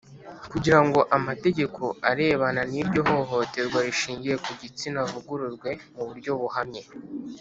kugira ngo amategeko arebana n’iryo hohoterwa rishingiye ku gitsina avugururwe mu buryo buhamye.